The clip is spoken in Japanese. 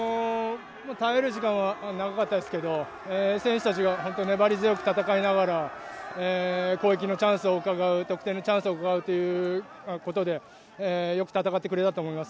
耐える時間は長かったですけれども、選手たちが本当、粘り強く戦いながら、攻撃のチャンスをうかがう、得点のチャンスをうかがうということで、よく戦ってくれたと思います。